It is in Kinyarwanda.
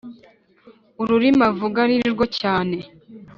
ururimi uvuga nirwo cyane